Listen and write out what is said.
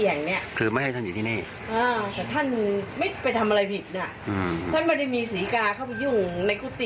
แล้วเด็กก็มื้นอยู่เนี่ยอู๋ยากมันด่าเราอีกแล้วค่ะ